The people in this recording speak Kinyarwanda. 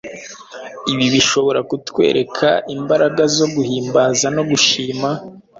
Ibi bishobora kutwereka imbaraga zo guhimbaza no gushima,